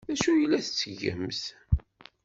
D acu ay la tettgemt?